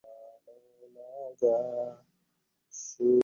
দুই ওপেনার যখন কাল সাতসকালেই ফিরলেন প্যাভিলিয়নে, ম্যাচের ইতি দেখা যাচ্ছিল তখনই।